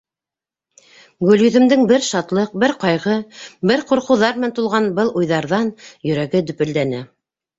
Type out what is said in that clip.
— Гөлйөҙөмдөң бер шатлыҡ, бер ҡайғы, бер ҡурҡыуҙар менән тулған был уйҙарҙан йөрәге дөпөлдәне.